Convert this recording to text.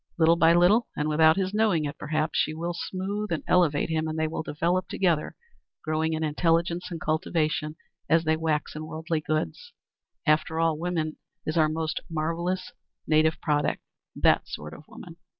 Little by little, and without his knowing it, perhaps, she will smoothe and elevate him, and they will develop together, growing in intelligence and cultivation as they wax in worldly goods. After all, woman is our most marvellous native product that sort of woman.